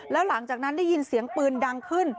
แล้วหลังจากนั้นได้ยินเสียงปืนดังขึ้น